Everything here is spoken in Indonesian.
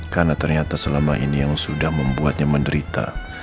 karena ternyata selama ini yang sudah membuatnya menderita